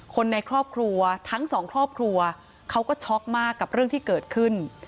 คนในครอบครัวทั้งสองครอบครัวเขาก็ช็อกมากกับเรื่องที่เกิดขึ้น